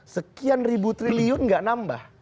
sekian ribu triliun nggak nambah